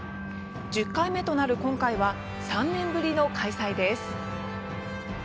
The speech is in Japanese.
１０回目となる今回は３年ぶりの開催です。